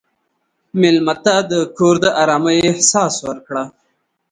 مېلمه ته د کور د ارامۍ احساس ورکړه.